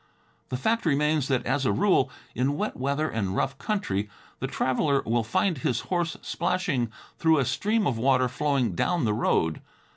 The fact remains that, as a rule, in wet weather and rough country, the traveler will find his horse splashing through a stream of water flowing down the road.